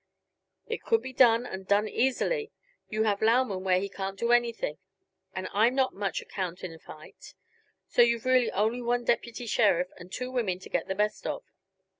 "It could be done, and done easily. You have Lauman where he can't do anything, and I'm not of much account in a fight; so you've really only one deputy sheriff and two women to get the best of.